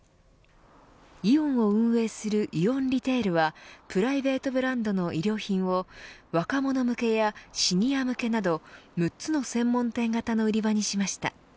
イオンを運営するイオンリテールはプライベートブランドの衣料品を若者向けやシニア向けなど６つの専門店型の売り場にしました。